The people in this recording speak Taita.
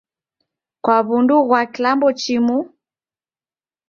Kwa w'undu ghwa kilambo chimu?